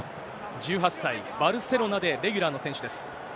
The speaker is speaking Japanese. １８歳、バルセロナでレギュラーの選手です。